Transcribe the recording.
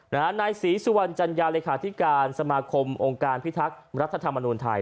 นายศรีสุวรรณจัญญาเลขาธิการสมาคมองค์การพิทักษ์รัฐธรรมนูญไทย